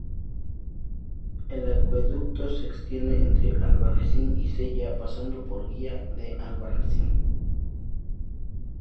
El acueducto se extiende entre Albarracín y Cella, pasando por Gea de Albarracín.